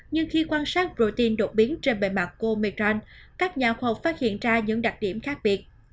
nhưng khi quan sát protein đột biến trên bề mặt co megan các nhà khoa học phát hiện ra những đặc điểm khác biệt